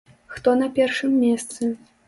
Хто на першым месцы?